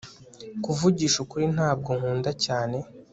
Kuvugisha ukuri ntabwo nkunda cyane